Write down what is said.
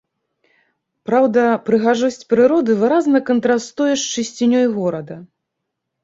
Праўда, прыгажосць прыроды выразна кантрастуе з чысцінёй горада.